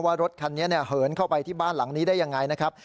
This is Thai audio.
ว่ารถคันนี้เหินเข้าไปที่บ้านหลังนี้ได้ยังไงนะครับ